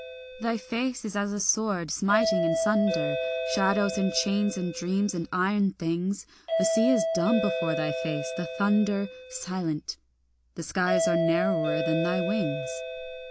Thy face is as a sword smiting in sunder Shadows and chains and dreams and iron things; The sea is dumb before thy face, the thunder Silent, the skies are narrower than thy wings.